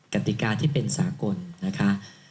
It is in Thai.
กติกาที่เป็นสากลนะคะ